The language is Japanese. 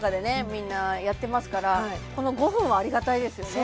みんなやってますからこの５分はありがたいですよね